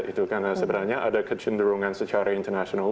itu karena sebenarnya ada kecenderungan secara internasional